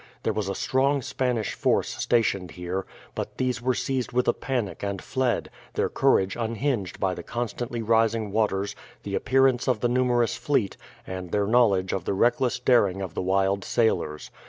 There was a strong Spanish force stationed here; but these were seized with a panic and fled, their courage unhinged by the constantly rising waters, the appearance of the numerous fleet, and their knowledge of the reckless daring of the wild sailors.